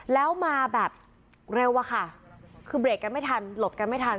แล้วมาแบบเร็วอะค่ะคือเบรกกันไม่ทันหลบกันไม่ทัน